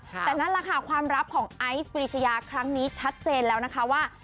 แต่นั่นแหละค่ะความลับของไอซ์ปรีชยาครั้งนี้ชัดเจนแล้วนะคะว่า